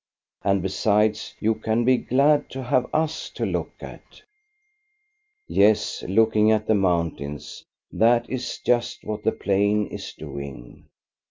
And, besides, you can be glad to have us to look at." Yes, looking at the mountains, that is just what the plain is doing.